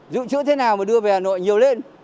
dự trữ thế nào mà đưa về hà nội nhiều lên